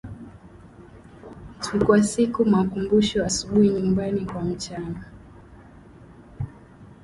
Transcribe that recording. tu kwa siku makumbusho asubuhi nyumbani kwa mchana